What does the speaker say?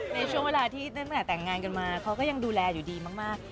ในช่วงเวลาที่ตั้งแต่แต่งงานกันมาเขาก็ยังดูแลอยู่ดีมาก